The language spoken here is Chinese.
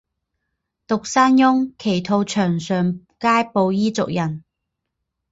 独山翁奇兔场上街布依族人。